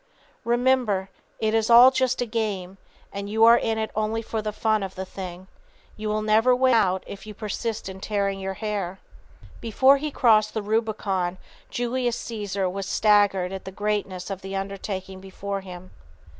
Remember it is all just a game, and you are in it only for the fun of the thing. You will never win out if you persist in tearing your hair. Before he crossed the Rubicon Julius Cæsar was staggered at the greatness of the undertaking before him.